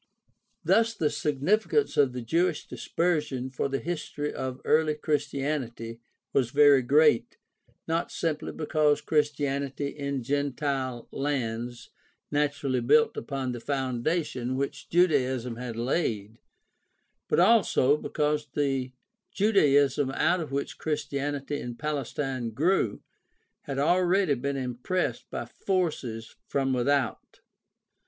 Thus the significance of the Jewish Dispersion for the history of early Christianity was very great, not simply because Chris tianity in gentile lands naturally built upon the foundation which Judaism had laid, but also because the Judaism out of which Christianity in Palestine grew had already been impressed by forces from without.